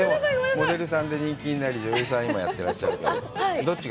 モデルさんで人気になり、女優さんもやってらっしゃると。